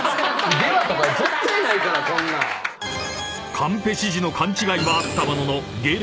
［カンペ指示の勘違いはあったものの芸歴